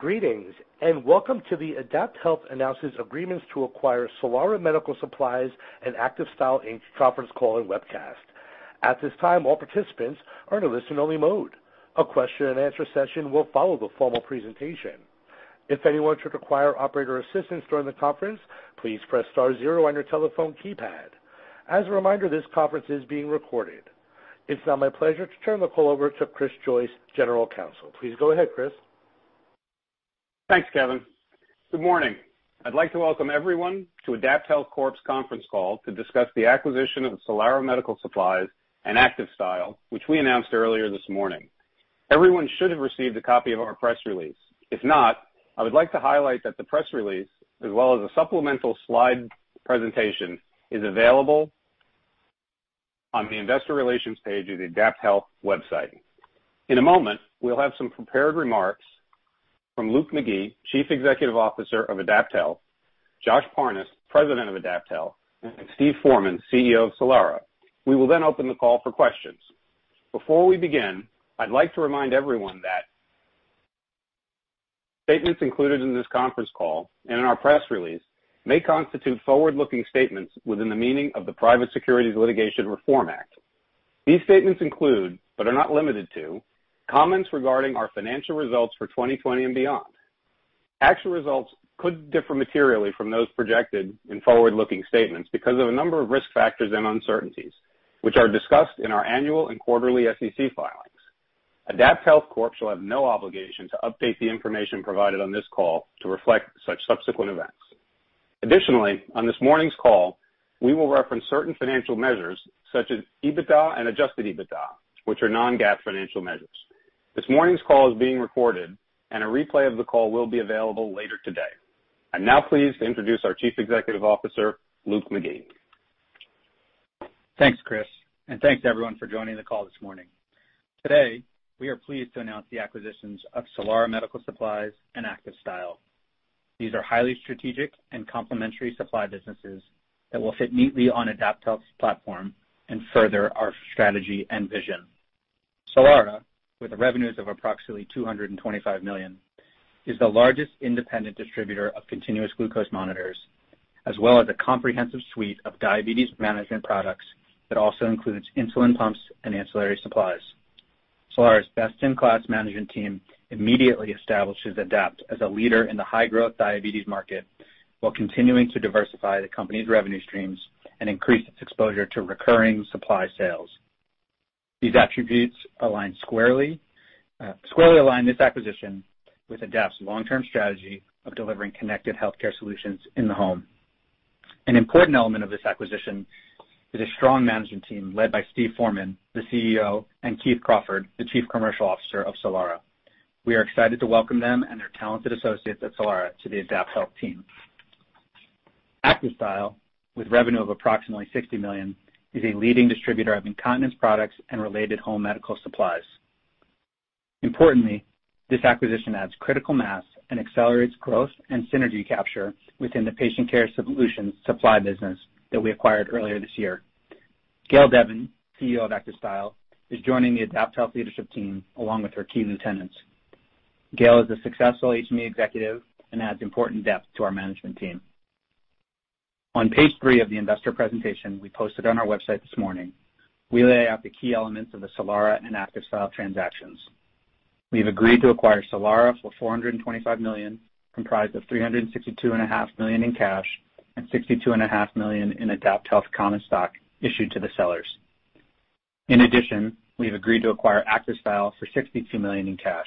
Greetings, and welcome to the AdaptHealth Announces Agreements to Acquire Solara Medical Supplies and ActivStyle Inc. conference call and webcast. At this time, all participants are in a listen-only mode. A question and answer session will follow the formal presentation. If anyone should require operator assistance during the conference, please press star zero on your telephone keypad. As a reminder, this conference is being recorded. It is now my pleasure to turn the call over to Chris Joyce, General Counsel. Please go ahead, Chris. Thanks, Kevin. Good morning. I'd like to welcome everyone to AdaptHealth Corp.'s conference call to discuss the acquisition of Solara Medical Supplies and ActivStyle, which we announced earlier this morning. Everyone should have received a copy of our press release. If not, I would like to highlight that the press release, as well as a supplemental slide presentation, is available on the investor relations page of the AdaptHealth website. In a moment, we'll have some prepared remarks from Luke McGee, Chief Executive Officer of AdaptHealth, Josh Parnes, President of AdaptHealth, and Steve Foreman, CEO of Solara. We will open the call for questions. Before we begin, I'd like to remind everyone that statements included in this conference call and in our press release may constitute forward-looking statements within the meaning of the Private Securities Litigation Reform Act. These statements include, but are not limited to, comments regarding our financial results for 2020 and beyond. Actual results could differ materially from those projected in forward-looking statements because of a number of risk factors and uncertainties, which are discussed in our annual and quarterly SEC filings. AdaptHealth Corp shall have no obligation to update the information provided on this call to reflect such subsequent events. On this morning's call, we will reference certain financial measures such as EBITDA and adjusted EBITDA, which are non-GAAP financial measures. This morning's call is being recorded, and a replay of the call will be available later today. I now please to introduce our Chief Executive Officer, Luke McGee. Thanks, Chris, and thanks everyone for joining the call this morning. Today, we are pleased to announce the acquisitions of Solara Medical Supplies and ActivStyle. These are highly strategic and complementary supply businesses that will fit neatly on AdaptHealth's platform and further our strategy and vision. Solara, with the revenues of approximately $225 million, is the largest independent distributor of continuous glucose monitors, as well as a comprehensive suite of diabetes management products that also includes insulin pumps and ancillary supplies. Solara's best-in-class management team immediately establishes AdaptHealth as a leader in the high-growth diabetes market while continuing to diversify the company's revenue streams and increase its exposure to recurring supply sales. These attributes squarely align this acquisition with AdaptHealth's long-term strategy of delivering connected healthcare solutions in the home. An important element of this acquisition is a strong management team led by Steve Foreman, the CEO, and Keith Crawford, the Chief Commercial Officer of Solara. We are excited to welcome them and their talented associates at Solara to the AdaptHealth team. ActivStyle, with revenue of approximately $60 million, is a leading distributor of incontinence products and related home medical supplies. Importantly, this acquisition adds critical mass and accelerates growth and synergy capture within the Patient Care Solutions supply business that we acquired earlier this year. Gayle Devin, CEO of ActivStyle, is joining the AdaptHealth leadership team along with her key lieutenants. Gayle is a successful HME executive and adds important depth to our management team. On page three of the investor presentation we posted on our website this morning, we lay out the key elements of the Solara and ActivStyle transactions. We've agreed to acquire Solara for $425 million, comprised of $362.5 million in cash and $62.5 million in AdaptHealth common stock issued to the sellers. In addition, we've agreed to acquire ActivStyle for $62 million in cash.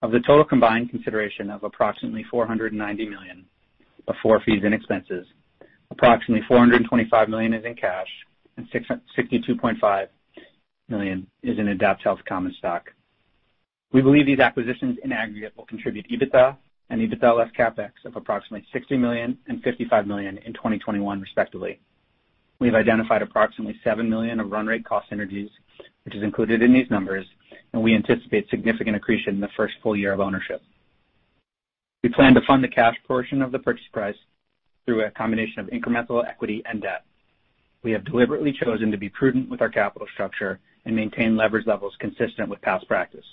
Of the total combined consideration of approximately $490 million before fees and expenses, approximately $425 million is in cash, and $62.5 million is in AdaptHealth common stock. We believe these acquisitions in aggregate will contribute EBITDA and EBITDA less CapEx of approximately $60 million and $55 million in 2021, respectively. We've identified approximately $7 million of run rate cost synergies, which is included in these numbers, and we anticipate significant accretion in the first full year of ownership. We plan to fund the cash portion of the purchase price through a combination of incremental equity and debt. We have deliberately chosen to be prudent with our capital structure and maintain leverage levels consistent with past practice.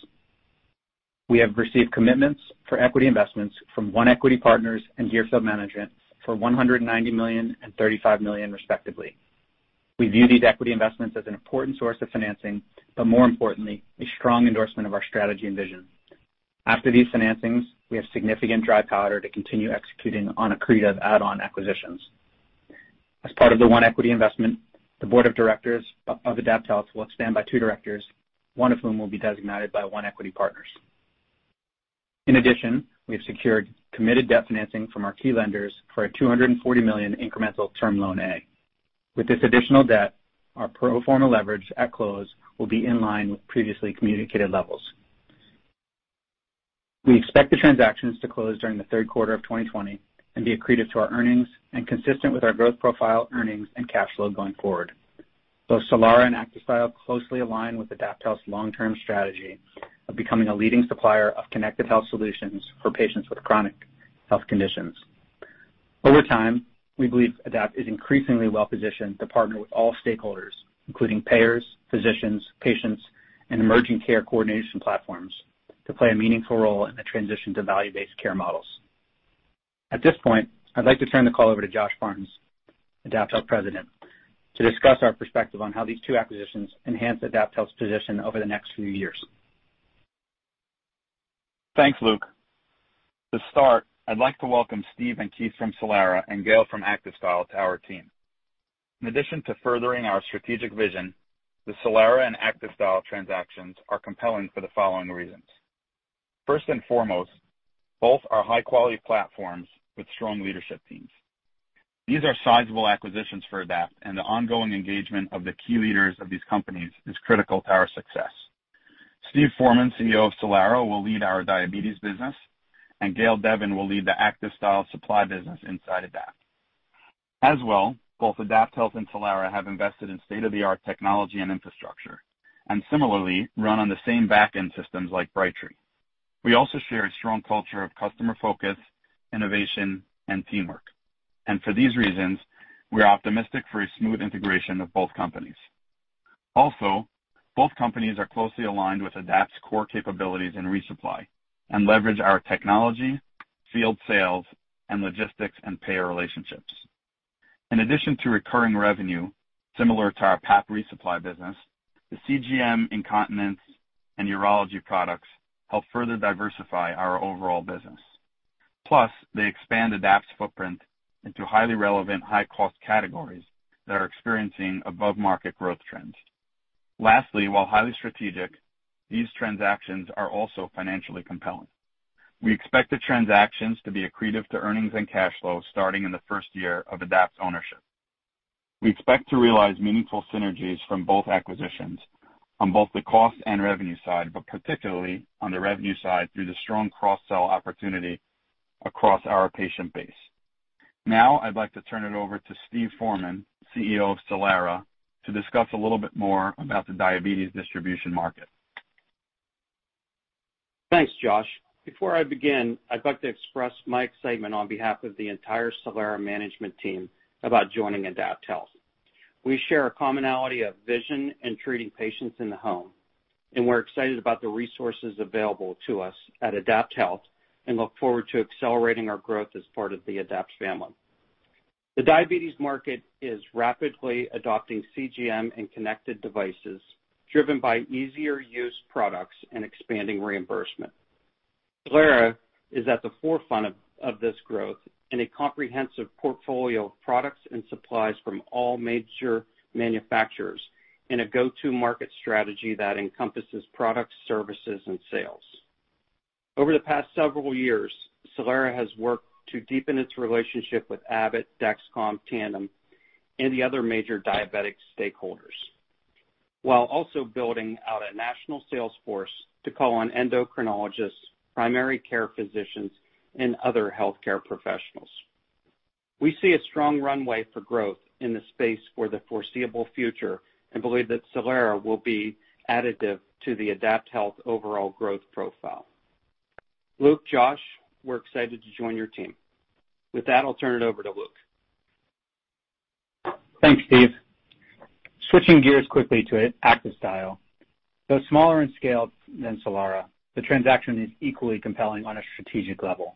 We have received commitments for equity investments from One Equity Partners and Deerfield Management for $190 million and $35 million, respectively. We view these equity investments as an important source of financing, but more importantly, a strong endorsement of our strategy and vision. After these financings, we have significant dry powder to continue executing on accretive add-on acquisitions. As part of the One Equity investment, the board of directors of AdaptHealth will expand by two directors, one of whom will be designated by One Equity Partners. In addition, we have secured committed debt financing from our key lenders for a $240 million incremental Term Loan A. With this additional debt, our pro forma leverage at close will be in line with previously communicated levels. We expect the transactions to close during the third quarter of 2020 and be accretive to our earnings and consistent with our growth profile, earnings, and cash flow going forward. Both Solara and ActivStyle closely align with AdaptHealth's long-term strategy of becoming a leading supplier of connected health solutions for patients with chronic health conditions. Over time, we believe Adapt is increasingly well positioned to partner with all stakeholders, including payers, physicians, patients, and emerging care coordination platforms to play a meaningful role in the transition to value-based care models. At this point, I'd like to turn the call over to Josh Parnes, AdaptHealth President, to discuss our perspective on how these two acquisitions enhance AdaptHealth's position over the next few years. Thanks, Luke. To start, I'd like to welcome Steve and Keith from Solara and Gayle from ActivStyle to our team. In addition to furthering our strategic vision, the Solara and ActivStyle transactions are compelling for the following reasons. First and foremost, both are high-quality platforms with strong leadership teams. These are sizable acquisitions for Adapt, and the ongoing engagement of the key leaders of these companies is critical to our success. Steve Foreman, CEO of Solara, will lead our diabetes business, and Gayle Devin will lead the ActivStyle supply business inside Adapt. As well, both AdaptHealth and Solara have invested in state-of-the-art technology and infrastructure, and similarly run on the same back-end systems like Brightree. We also share a strong culture of customer focus, innovation, and teamwork. For these reasons, we're optimistic for a smooth integration of both companies. Also, both companies are closely aligned with Adapt's core capabilities in resupply and leverage our technology, field sales, and logistics and payer relationships. In addition to recurring revenue similar to our PAP resupply business, the CGM incontinence and urology products help further diversify our overall business. Plus, they expand Adapt's footprint into highly relevant high-cost categories that are experiencing above-market growth trends. Lastly, while highly strategic, these transactions are also financially compelling. We expect the transactions to be accretive to earnings and cash flow starting in the first year of Adapt's ownership. We expect to realize meaningful synergies from both acquisitions on both the cost and revenue side, but particularly on the revenue side through the strong cross-sell opportunity across our patient base. Now I'd like to turn it over to Steve Foreman, CEO of Solara, to discuss a little bit more about the diabetes distribution market. Thanks, Josh. Before I begin, I'd like to express my excitement on behalf of the entire Solara management team about joining AdaptHealth. We share a commonality of vision in treating patients in the home, and we're excited about the resources available to us at AdaptHealth and look forward to accelerating our growth as part of the Adapt family. The diabetes market is rapidly adopting CGM and connected devices driven by easier-use products and expanding reimbursement. Solara is at the forefront of this growth in a comprehensive portfolio of products and supplies from all major manufacturers in a go-to-market strategy that encompasses products, services, and sales. Over the past several years, Solara has worked to deepen its relationship with Abbott, Dexcom, Tandem, and the other major diabetic stakeholders, while also building out a national sales force to call on endocrinologists, primary care physicians, and other healthcare professionals. We see a strong runway for growth in this space for the foreseeable future and believe that Solara will be additive to the AdaptHealth overall growth profile. Luke, Josh, we're excited to join your team. With that, I'll turn it over to Luke. Thanks, Steve. Switching gears quickly to ActivStyle. Though smaller in scale than Solara, the transaction is equally compelling on a strategic level.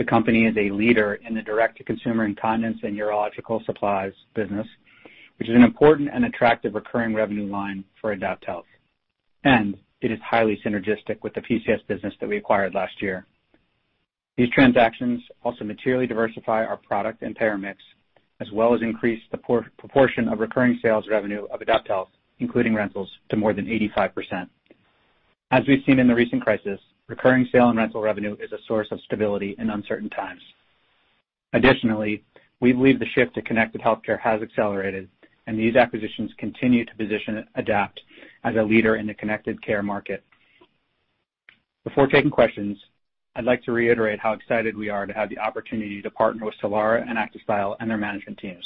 The company is a leader in the direct-to-consumer incontinence and urological supplies business, which is an important and attractive recurring revenue line for AdaptHealth. It is highly synergistic with the PCS business that we acquired last year. These transactions also materially diversify our product and payer mix, as well as increase the proportion of recurring sales revenue of AdaptHealth, including rentals, to more than 85%. As we've seen in the recent crisis, recurring sale and rental revenue is a source of stability in uncertain times. Additionally, we believe the shift to connected healthcare has accelerated, and these acquisitions continue to position Adapt as a leader in the connected care market. Before taking questions, I'd like to reiterate how excited we are to have the opportunity to partner with Solara and ActivStyle and their management teams.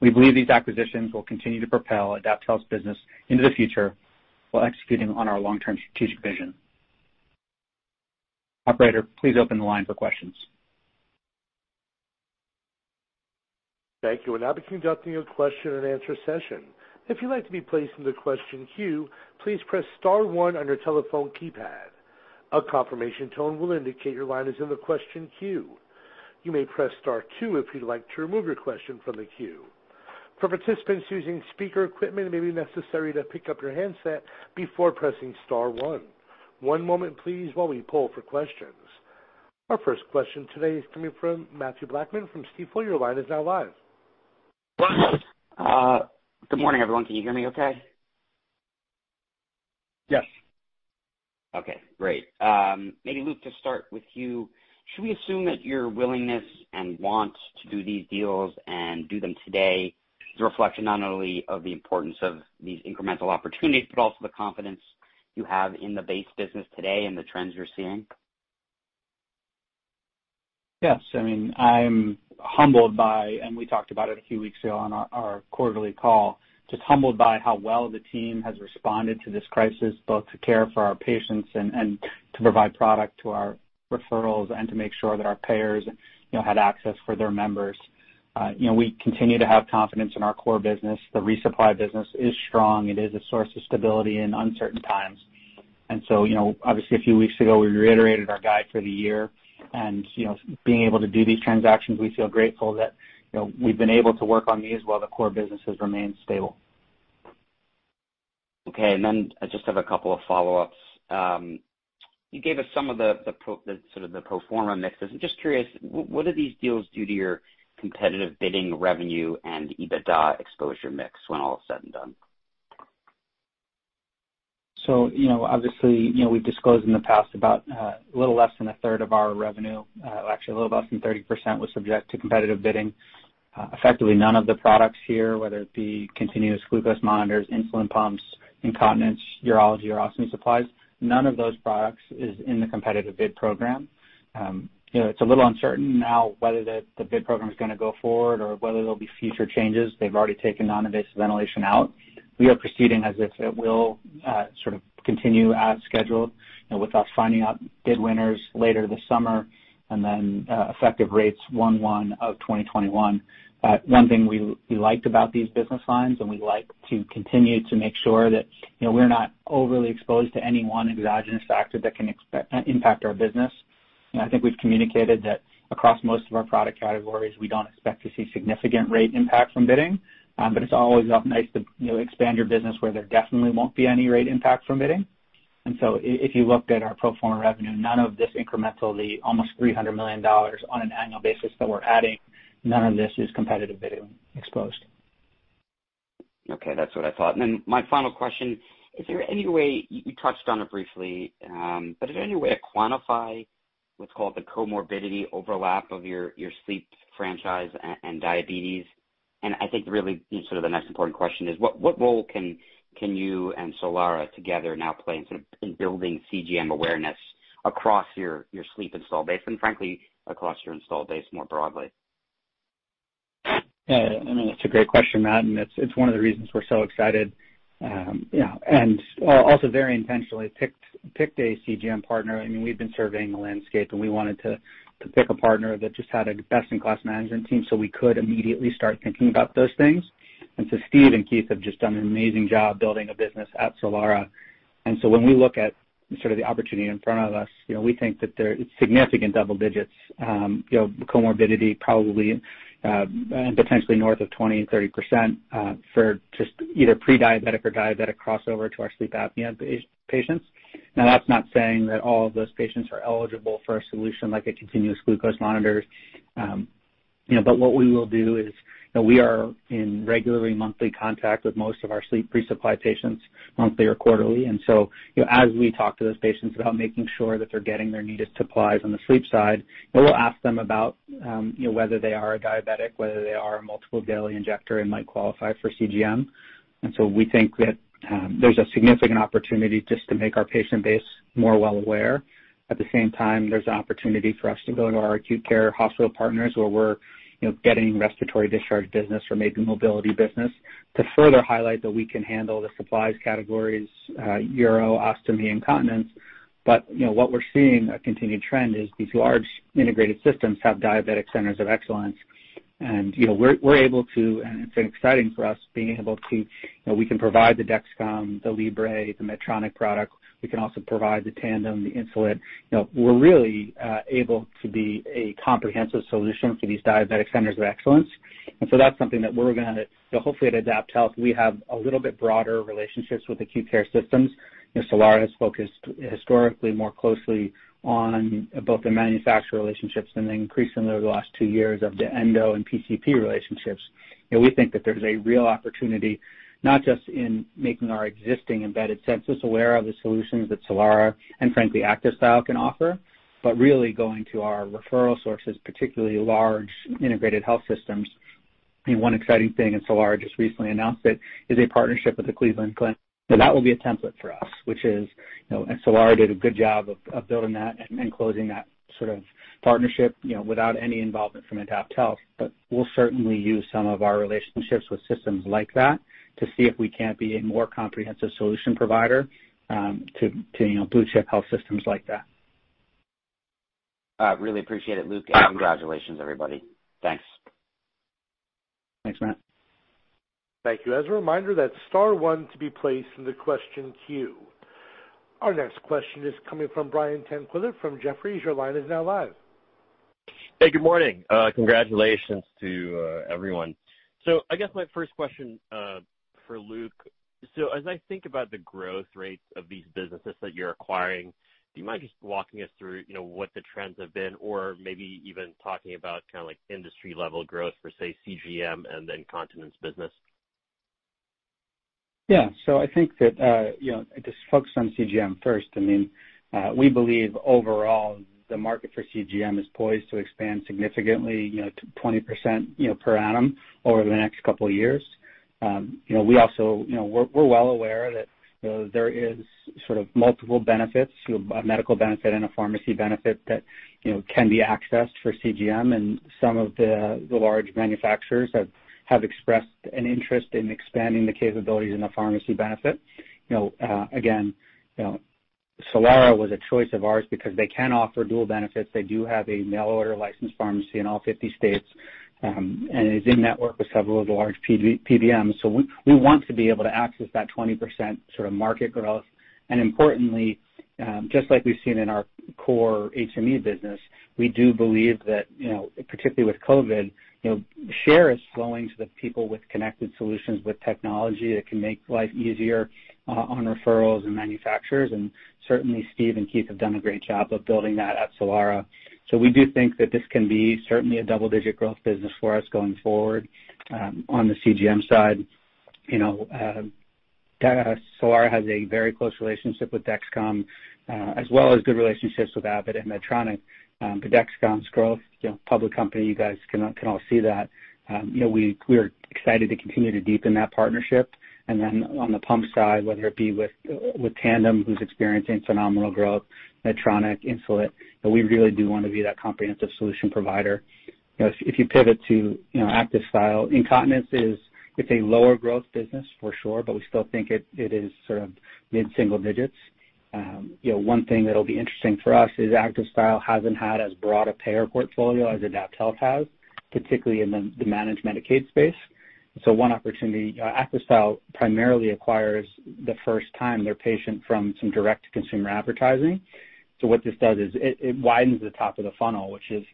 We believe these acquisitions will continue to propel AdaptHealth's business into the future while executing on our long-term strategic vision. Operator, please open the line for questions. Thank you. We'll now be conducting a question and answer session. If you'd like to be placed in the question queue, please press star one on your telephone keypad. A confirmation tone will indicate your line is in the question queue. You may press star two if you'd like to remove your question from the queue. For participants using speaker equipment, it may be necessary to pick up your handset before pressing star one. One moment, please, while we poll for questions. Our first question today is coming from Mathew Blackman from Stifel. Your line is now live. Good morning, everyone. Can you hear me okay? Yes. Okay, great. Maybe Luke, to start with you, should we assume that your willingness and want to do these deals and do them today is a reflection not only of the importance of these incremental opportunities, but also the confidence you have in the base business today and the trends you're seeing? Yes. I'm humbled by, and we talked about it a few weeks ago on our quarterly call, just humbled by how well the team has responded to this crisis, both to care for our patients and to provide product to our referrals and to make sure that our payers had access for their members. We continue to have confidence in our core business. The resupply business is strong. It is a source of stability in uncertain times. Obviously a few weeks ago, we reiterated our guide for the year. Being able to do these transactions, we feel grateful that we've been able to work on these while the core business has remained stable. Okay. I just have a couple of follow-ups. You gave us some of the sort of the pro forma mixes. I'm just curious, what do these deals do to your competitive bidding revenue and EBITDA exposure mix when all is said and done? Obviously, we've disclosed in the past about a little less than 1/3 of our revenue, actually a little less than 30%, was subject to competitive bidding. Effectively none of the products here, whether it be continuous glucose monitors, insulin pumps, incontinence, urology or ostomy supplies, none of those products is in the competitive bid program. It's a little uncertain now whether the bid program is going to go forward or whether there'll be future changes. They've already taken non-invasive ventilation out. We are proceeding as if it will sort of continue as scheduled with us finding out bid winners later this summer and then effective rates January 1st, 2021. One thing we liked about these business lines, we like to continue to make sure that we're not overly exposed to any one exogenous factor that can impact our business. I think we've communicated that across most of our product categories, we don't expect to see significant rate impact from bidding, but it's always nice to expand your business where there definitely won't be any rate impact from bidding. If you looked at our pro forma revenue, none of this incrementally, almost $300 million on an annual basis that we're adding, none of this is competitive bidding exposed. Okay, that's what I thought. My final question, is there any way, you touched on it briefly, but is there any way to quantify what's called the comorbidity overlap of your sleep franchise and diabetes? I think really sort of the next important question is what role can you and Solara together now play in sort of in building CGM awareness across your sleep install base and frankly, across your install base more broadly? Yeah, it's a great question, Matt, and it's one of the reasons we're so excited. Also very intentionally picked a CGM partner. We've been surveying the landscape, and we wanted to pick a partner that just had a best-in-class management team so we could immediately start thinking about those things. Steve and Keith have just done an amazing job building a business at Solara. When we look at sort of the opportunity in front of us, we think that it's significant double digits, comorbidity probably potentially north of 20%-30% for just either pre-diabetic or diabetic crossover to our sleep apnea patients. Now, that's not saying that all of those patients are eligible for a solution like a continuous glucose monitor. What we will do is we are in regular monthly contact with most of our sleep resupply patients monthly or quarterly. As we talk to those patients about making sure that they're getting their needed supplies on the sleep side, we'll ask them about whether they are a diabetic, whether they are a multiple daily injector and might qualify for CGM. We think that there's a significant opportunity just to make our patient base more well aware. At the same time, there's an opportunity for us to go to our acute care hospital partners where we're getting respiratory discharge business or maybe mobility business to further highlight that we can handle the supplies categories, uro, ostomy, incontinence. We're seeing a continued trend is these large integrated systems have diabetic centers of excellence. We're able to, and it's been exciting for us being able to, we can provide the Dexcom, the Libre, the Medtronic product. We can also provide the Tandem, the Insulet. We're really able to be a comprehensive solution for these diabetic centers of excellence. That's something that we're going to, hopefully at AdaptHealth, we have a little bit broader relationships with acute care systems. Solara has focused historically more closely on both the manufacturer relationships and then increasingly over the last two years of the endo and PCP relationships. We think that there's a real opportunity not just in making our existing embedded census aware of the solutions that Solara and frankly ActivStyle can offer, but really going to our referral sources, particularly large integrated health systems. One exciting thing, and Solara just recently announced it, is a partnership with the Cleveland Clinic. That will be a template for us, which is, and Solara did a good job of building that and closing that sort of partnership without any involvement from AdaptHealth. We'll certainly use some of our relationships with systems like that to see if we can't be a more comprehensive solution provider to blue-chip health systems like that. I really appreciate it, Luke, and congratulations, everybody. Thanks. Thanks, Matt. Thank you. As a reminder, that's star one to be placed in the question queue. Our next question is coming from Brian Tanquilut from Jefferies. Your line is now live. Hey, good morning. Congratulations to everyone. I guess my first question for Luke. As I think about the growth rates of these businesses that you're acquiring, do you mind just walking us through what the trends have been or maybe even talking about kind of like industry-level growth for, say, CGM and then continence business? Yeah. I think that, just focus on CGM first. We believe overall the market for CGM is poised to expand significantly to 20% per annum over the next couple of years. We're well aware that there is sort of multiple benefits, a medical benefit and a pharmacy benefit that can be accessed for CGM and some of the large manufacturers have expressed an interest in expanding the capabilities in the pharmacy benefit. Solara was a choice of ours because they can offer dual benefits. They do have a mail-order licensed pharmacy in all 50 states and is in-network with several of the large PBMs. We want to be able to access that 20% sort of market growth. Importantly, just like we've seen in our core HME business, we do believe that, particularly with COVID, share is flowing to the people with connected solutions, with technology that can make life easier on referrals and manufacturers. Certainly Steve and Keith have done a great job of building that at Solara. We do think that this can be certainly a double-digit growth business for us going forward. On the CGM side, Solara has a very close relationship with Dexcom, as well as good relationships with Abbott and Medtronic. Dexcom's growth, public company, you guys can all see that. We are excited to continue to deepen that partnership. Then on the pump side, whether it be with Tandem, who's experiencing phenomenal growth, Medtronic, Insulet, we really do want to be that comprehensive solution provider. If you pivot to ActivStyle, incontinence is a lower growth business for sure, but we still think it is sort of mid-single digits. One thing that'll be interesting for us is ActivStyle hasn't had as broad a payer portfolio as AdaptHealth has, particularly in the managed Medicaid space. One opportunity, ActivStyle primarily acquires the first time their patient from some direct-to-consumer advertising. What this does is it widens the top of the funnel, which is,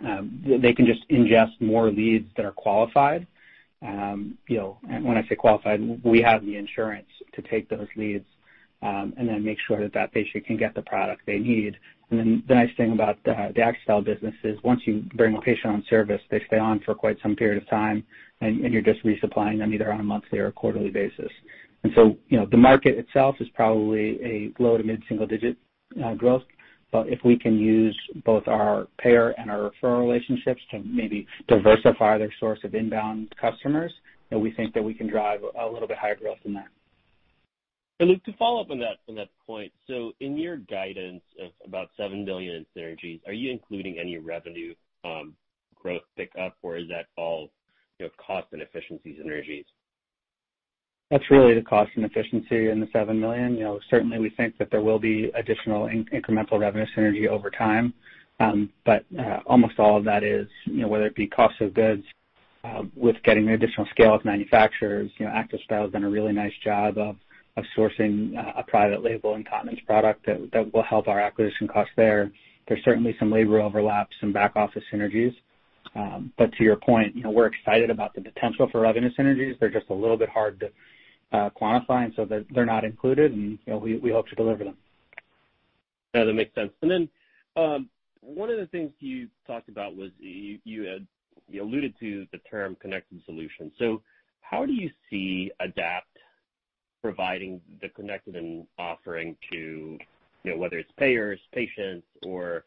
they can just ingest more leads that are qualified. When I say qualified, we have the insurance to take those leads, and then make sure that that patient can get the product they need. The nice thing about the ActivStyle business is once you bring a patient on service, they stay on for quite some period of time, and you're just resupplying them either on a monthly or quarterly basis. The market itself is probably a low- to mid-single-digit growth. If we can use both our payer and our referral relationships to maybe diversify their source of inbound customers, we think that we can drive a little bit higher growth than that. Luke, to follow up on that point. In your guidance of about $7 million in synergies, are you including any revenue growth pick-up, or is that all cost and efficiency synergies? That's really the cost and efficiency in the $7 million. Certainly, we think that there will be additional incremental revenue synergy over time. Almost all of that is, whether it be cost of goods, with getting the additional scale of manufacturers. ActivStyle's done a really nice job of sourcing a private label incontinence product that will help our acquisition costs there. There's certainly some labor overlap, some back-office synergies. To your point, we're excited about the potential for revenue synergies. They're just a little bit hard to quantify, and so they're not included, and we hope to deliver them. No, that makes sense. One of the things you talked about was you alluded to the term connected solution. How do you see Adapt providing the connected and offering to, whether it's payers, patients, or,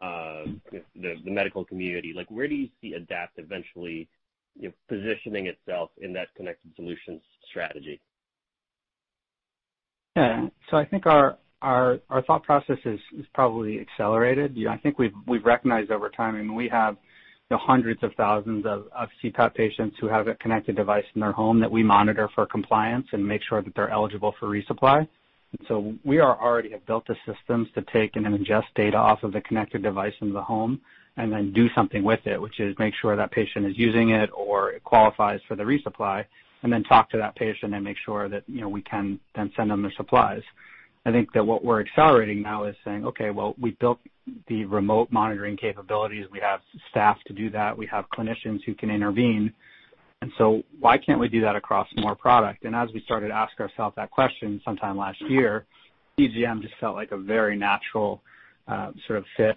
the medical community? Where do you see Adapt eventually positioning itself in that connected solutions strategy? Yeah. I think our thought process is probably accelerated. I think we've recognized over time, we have hundreds of thousands of CPAP patients who have a connected device in their home that we monitor for compliance and make sure that they're eligible for resupply. We already have built the systems to take and then ingest data off of the connected device in the home and then do something with it, which is make sure that patient is using it or it qualifies for the resupply, and then talk to that patient and make sure that we can then send them their supplies. I think that what we're accelerating now is saying, okay, well, we built the remote monitoring capabilities. We have staff to do that. We have clinicians who can intervene. Why can't we do that across more product? As we started to ask ourselves that question sometime last year, CGM just felt like a very natural sort of fit.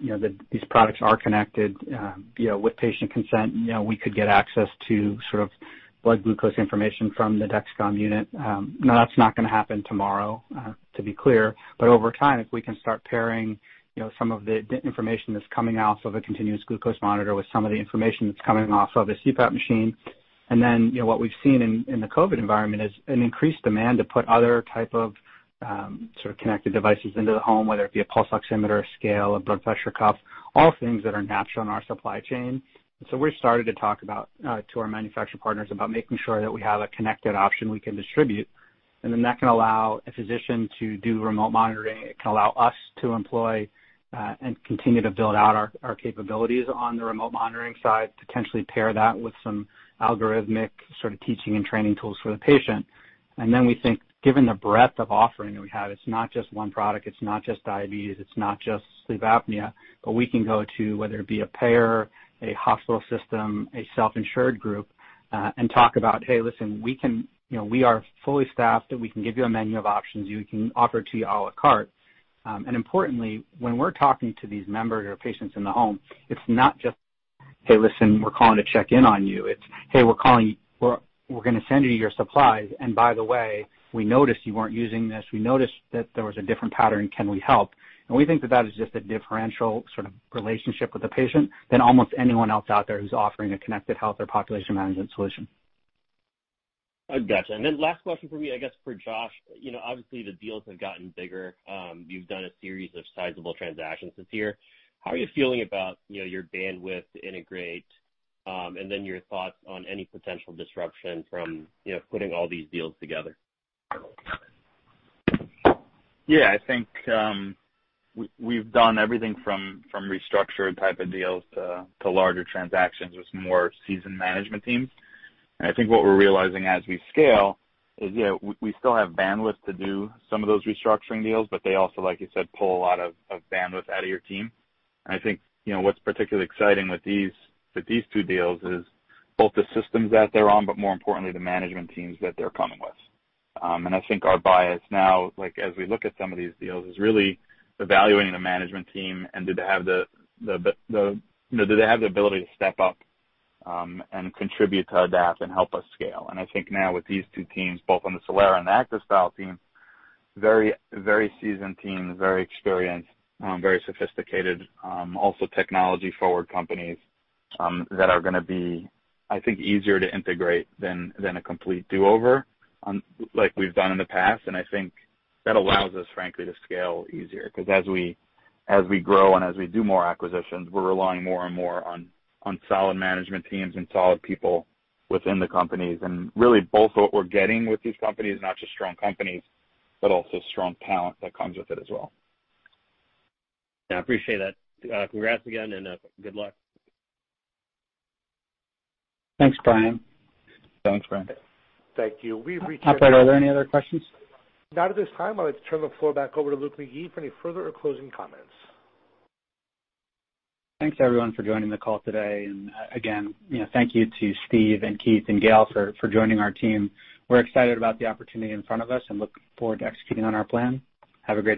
These products are connected. With patient consent, we could get access to sort of blood glucose information from the Dexcom unit. Now, that's not going to happen tomorrow, to be clear. Over time, if we can start pairing some of the information that's coming off of a continuous glucose monitor with some of the information that's coming off of a CPAP machine. What we've seen in the COVID environment is an increased demand to put other type of connected devices into the home, whether it be a pulse oximeter, a scale, a blood pressure cuff, all things that are natural in our supply chain. We started to talk to our manufacturer partners about making sure that we have a connected option we can distribute, then that can allow a physician to do remote monitoring. It can allow us to employ and continue to build out our capabilities on the remote monitoring side, potentially pair that with some algorithmic sort of teaching and training tools for the patient. We think, given the breadth of offering that we have, it's not just one product, it's not just diabetes, it's not just sleep apnea. We can go to, whether it be a payer, a hospital system, a self-insured group, and talk about, "Hey, listen, we are fully staffed, and we can give you a menu of options. We can offer it to you à la carte." Importantly, when we're talking to these members or patients in the home, it's not just, "Hey, listen, we're calling to check in on you." It's, "Hey, we're calling. We're going to send you your supplies. By the way, we noticed you weren't using this. We noticed that there was a different pattern. Can we help?" We think that is just a differential sort of relationship with the patient than almost anyone else out there who's offering a connected health or population management solution. I got you. Last question from me, I guess for Josh. Obviously, the deals have gotten bigger. You've done a series of sizable transactions this year. How are you feeling about your bandwidth to integrate, and then your thoughts on any potential disruption from putting all these deals together? Yeah, I think, we've done everything from restructured type of deals to larger transactions with more seasoned management teams. I think what we're realizing as we scale is we still have bandwidth to do some of those restructuring deals, but they also, like you said, pull a lot of bandwidth out of your team. I think what's particularly exciting with these two deals is both the systems that they're on, but more importantly, the management teams that they're coming with. I think our bias now, as we look at some of these deals, is really evaluating the management team and do they have the ability to step up and contribute to Adapt and help us scale. I think now with these two teams, both on the Solara and the ActivStyle team, very seasoned teams, very experienced, very sophisticated, also technology-forward companies, that are going to be, I think, easier to integrate than a complete do-over, like we've done in the past. I think that allows us, frankly, to scale easier, because as we grow and as we do more acquisitions, we're relying more and more on solid management teams and solid people within the companies. Really both what we're getting with these companies, not just strong companies, but also strong talent that comes with it as well. I appreciate that. congrats again, and good luck. Thanks, Brian. Thanks, Brian. Thank you. Operator, are there any other questions? Not at this time. I'd like to turn the floor back over to Luke McGee for any further or closing comments. Thanks, everyone, for joining the call today. Again, thank you to Steve and Keith and Gayle for joining our team. We're excited about the opportunity in front of us and looking forward to executing on our plan. Have a great day.